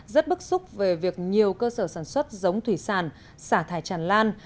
rất bức xúc về việc nhiều cơ sở sản xuất giống thủy sản xả thải tràn lan